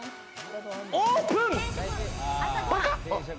オープン！